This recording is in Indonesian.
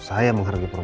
saya menghargai perempuan